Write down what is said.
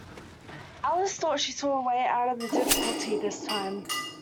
Alice thought she saw a way out of the difficulty this time.